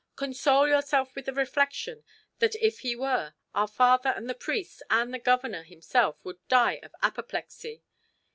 Console yourself with the reflection that if he were, our father and the priests, and the Governor himself, would die of apoplexy.